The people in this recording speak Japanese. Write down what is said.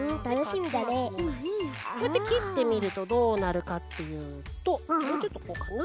こうやってきってみるとどうなるかっていうともうちょっとこうかな。